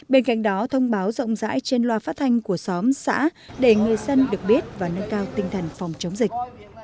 bên cạnh đó thông báo rộng rãi trên loa phát thanh của xóm xã để người dân được biết và nâng cao tinh thần phòng chống dịch